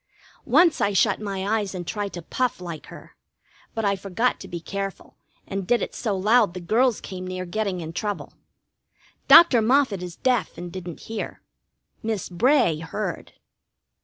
Once I shut my eyes and tried to puff like her, but I forgot to be careful, and did it so loud the girls came near getting in trouble. Dr. Moffett is deaf, and didn't hear. Miss Bray heard.